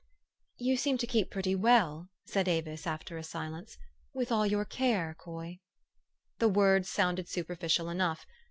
" You seem to keep pretty well," said Avis, after a silence, " with all your care, Coy." The words sounded superficial enough.